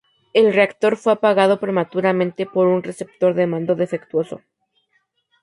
El reactor fue apagado prematuramente por un receptor de mando defectuoso.